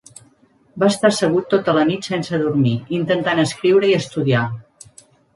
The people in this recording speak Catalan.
Va estar assegut tota la nit sense dormir, intentant escriure i estudiar.